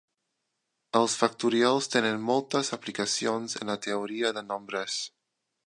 Els factorials tenen moltes aplicacions en la teoria de nombres.